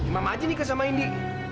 imam aja nikah sama indi